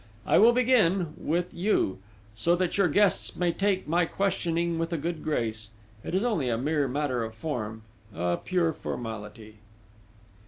I will begin ... with you ... so that your guests take my questioning with a good grace ... it is only a mere matter of form a pure formality!..."